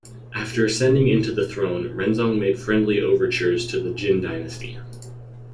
After ascending into the throne, Renzong made friendly overtures to the Jin Dynasty.